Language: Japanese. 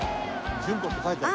順子って書いてある。